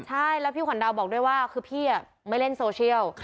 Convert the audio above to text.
ใช่แล้วพี่ขวัญดาวบอกด้วยว่าคือพี่ไม่เล่นโซเชียล